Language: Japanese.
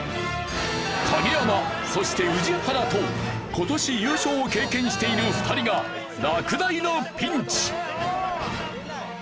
影山そして宇治原と今年優勝を経験している２人が落第のピンチ！